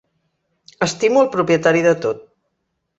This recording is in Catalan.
Estimo el propietari de tot.